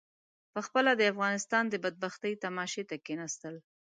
پخپله د افغانستان د بدبختۍ تماشې ته کېنستل.